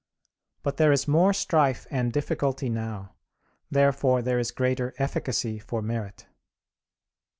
But there is more strife and difficulty now. Therefore there is greater efficacy for merit.